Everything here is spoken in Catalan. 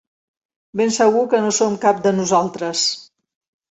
Ben segur que no som cap de nosaltres.